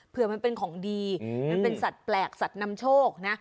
เพื่อมันเป็นของดีมันเป็นสัตว์แปลกสัตว์นำโชคนะ